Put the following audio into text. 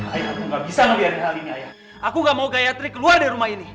ayah aku gak bisa melihat hal ini ayah aku gak mau gayatri keluar dari rumah ini